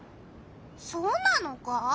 そうなのか？